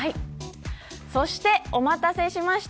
そして、お待たせしました。